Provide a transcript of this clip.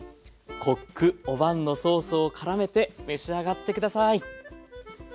コック・オ・ヴァンのソースを絡めて召し上がって下さい！